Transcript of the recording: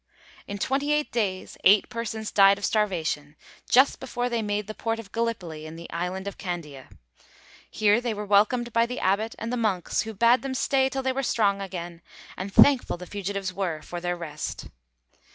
In twenty eight days, eight persons died of starvation, just before they made the port of Gallipoli in the island of Candia. Here they were welcomed by the abbot and the monks, who bade them stay till they were strong again, and thankful the fugitives were for their rest.